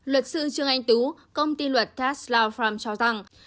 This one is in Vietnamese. luật sư trương anh tú công ty luật tax law firm cho rằng